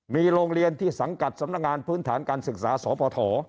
มีโรงเรียนที่สังกัดสำนักงานพื้นฐานการศึกษาสพ